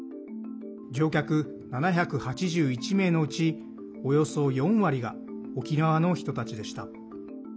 乗客７８１名のうちおよそ４割が沖縄の人たちでした。